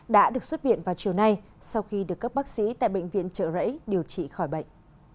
đã được xuất viện vào chiều nay sau khi được các bác sĩ tại bệnh viện trợ rẫy điều trị khỏi bệnh